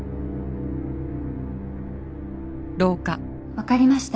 わかりました。